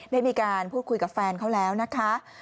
ได้มีการพูดคุยกับแฟนเขาแล้วนะคะ